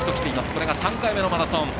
これが３回目のマラソン。